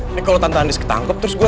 ini kalo tante andis ketangkap terus gue